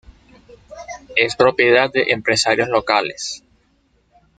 Es propiedad de empresarios locales.